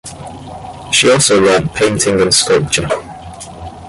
She also learned painting and sculpture.